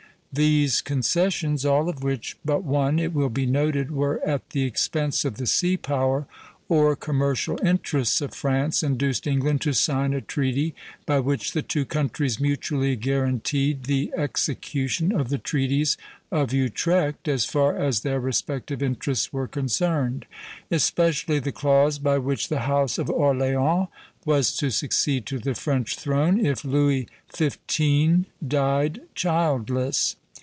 These concessions, all of which but one, it will be noted, were at the expense of the sea power or commercial interests of France, induced England to sign a treaty by which the two countries mutually guaranteed the execution of the treaties of Utrecht as far as their respective interests were concerned; especially the clause by which the House of Orleans was to succeed to the French throne, if Louis XV. died childless.